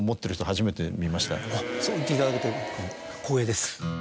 そう言っていただけて光栄です。